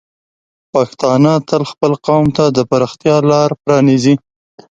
پښتانه تل خپل قوم ته د پراختیا لار پرانیزي.